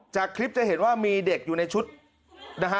จากคลิปจะเห็นว่ามีเด็กอยู่ในชุดนะฮะ